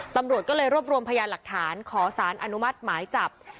ตำรวจก็เลยรวบรวมพยานหลักฐานขอสารอนุมัติหมายจับ